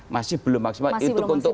masih belum maksimal itu untuk